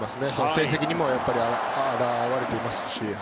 成績にも表れていますし。